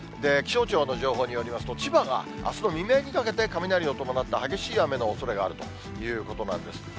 気象庁の情報によりますと、千葉があすの未明にかけて、雷を伴った激しい雨のおそれがあるということなんです。